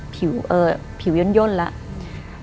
ตัวเล็กผิวย่นแล้ว